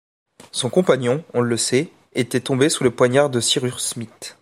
Son compagnon, on le sait, était tombé sous le poignard de Cyrus Smith.